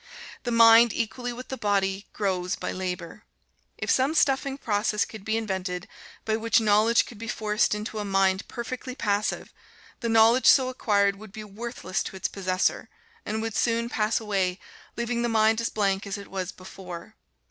The mind, equally with the body, grows by labor. If some stuffing process could be invented, by which knowledge could be forced into a mind perfectly passive, the knowledge so acquired would be worthless to its possessor, and would soon pass away, leaving the mind as blank as it was before.